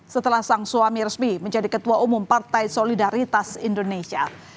setelah sang suami resmi menjadi ketua umum partai solidaritas indonesia